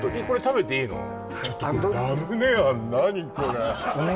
これ食べていいの？